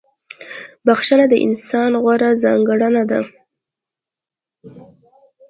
• بخښنه د انسان غوره ځانګړنه ده.